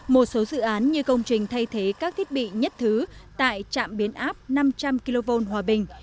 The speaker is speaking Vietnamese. một số dự án như công trình thay thế các thiết bị nhất thứ tại trạm biến áp năm trăm linh kv hòa bình